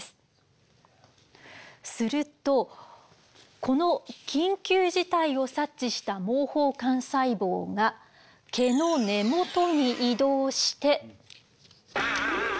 するとこの緊急事態を察知した毛包幹細胞が毛の根元に移動して。